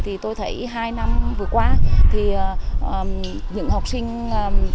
thì tôi thấy hai năm vừa qua thì những học sinh